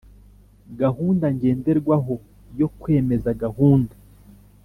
gahunda ngenderwaho yo kwemeza gahunda